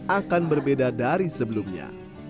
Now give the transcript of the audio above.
akan berbeda dari sebelumnya